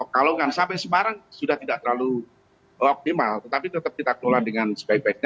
kalau nggak sampai semarang sudah tidak terlalu optimal tetapi tetap kita kelola dengan sebaik baiknya